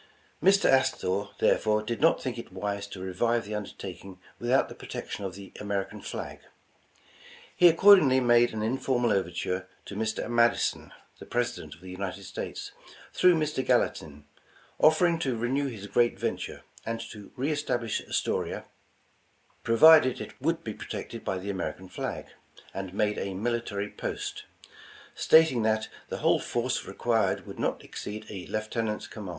Mr. Astor, therefore, did not think it wise to revive the undertaking without the protection of the American flag. He accordingly ''made an informal overture to Mr. Madison, the President of the United States, through Mr. Gallatin, offering to renew his great ven ture and to re establish Astoria, provided it would be protected by the American flag, and made a military post; stating that the whole force required would not exceed a Lieutenant's command."